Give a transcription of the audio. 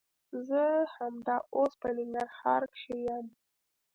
زه همدا اوس په ننګرهار کښي يم.